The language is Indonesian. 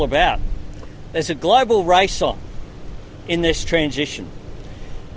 ada pergerakan global dalam transisi ini